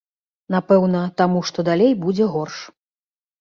Напэўна, таму, што далей будзе горш.